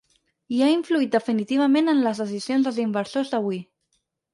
I han influït definitivament en les decisions dels inversors d’avui.